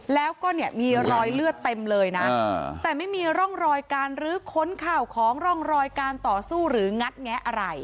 แล้วก็เนี่ยมีรอยเลือดเต็มเลยนะแต่ไม่มีร่องรอยการรื้อค้นข่าวของร่องรอยการต่อสู้หรืองัดแงะอะไร